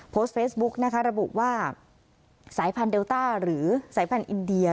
โพสต์เฟซบุ๊กนะคะระบุว่าสายพันธุเดลต้าหรือสายพันธุ์อินเดีย